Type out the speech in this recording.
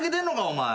お前。